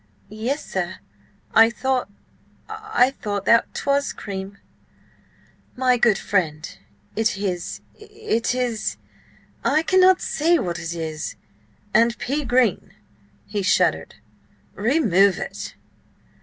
"Yes, sir. I thought–I thought that 'twas cream!" "My good friend, it is–it is–I cannot say what it is. And pea green!" he shuddered. "Remove it."